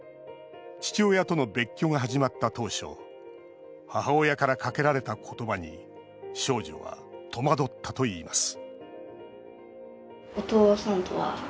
父親との別居が始まった当初母親からかけられた言葉に少女は戸惑ったといいます